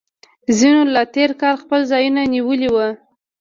ځینو لا تیر کال خپل ځایونه نیولي وي